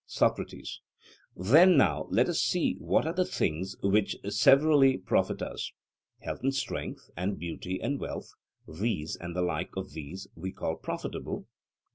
SOCRATES: Then now let us see what are the things which severally profit us. Health and strength, and beauty and wealth these, and the like of these, we call profitable?